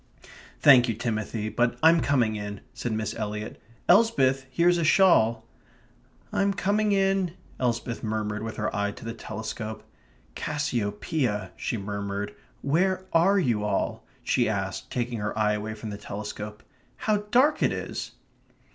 "Thank you, Timothy, but I'm coming in," said Miss Eliot. "Elsbeth, here's a shawl." "I'm coming in," Elsbeth murmured with her eye to the telescope. "Cassiopeia," she murmured. "Where are you all?" she asked, taking her eye away from the telescope. "How dark it is!"